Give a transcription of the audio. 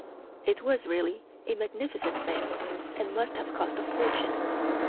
It was really a magnificent thing, and must have cost a fortune.